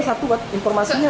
satu wak informasinya